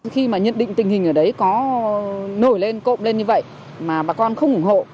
khi mà nhận định tình hình ở đấy có nổi lên cộng lên như vậy mà bà con không ủng hộ